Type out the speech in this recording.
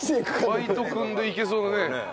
バイトくんでいけそうだね。